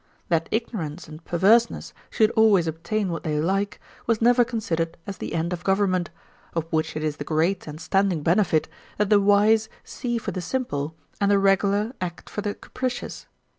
That ignorance and perverseness should always obtain what they like, was never considered as the end of government; of which it is the great and standing benefit, that the wise see for the simple, and the regular act for the capricious.